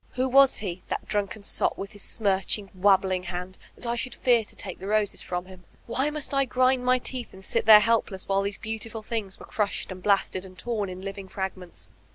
Who was he, that drunken sot, with his smirching, wabbling hand, that I should fear to take the roses from him? Why must I grind my teeth and sit 470 YoLTAmm ve Cleyib there helpless, while those beautiful things were crushed and blasted and torn in living fragments?